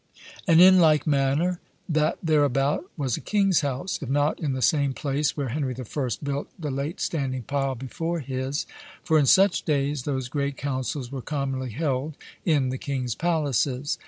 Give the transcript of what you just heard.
And in like manner, that thereabout was a king's house, if not in the same place where Henry the First built the late standing pile before his; for in such days those great councils were commonly held in the King's palaces.